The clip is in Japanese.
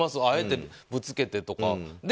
あえてぶつけてとか。